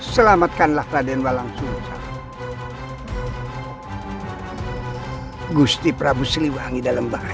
selamatkan raka dan walang susah